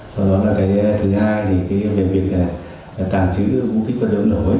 sau đó là cái thứ hai việc tàng trí vũ khí vật điệu nổ